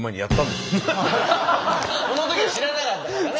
そのときは知らなかったからね。